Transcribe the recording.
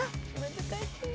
難しい。